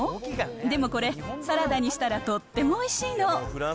でもこれ、サラダにしたらとってもおいしいの。